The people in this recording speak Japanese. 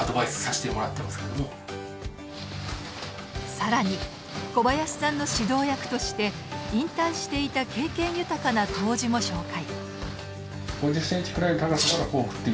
更に小林さんの指導役として引退していた経験豊かな杜氏も紹介。